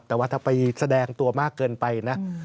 แต่ว่าถ้าไปแสดงตัวมากเกินไปนะ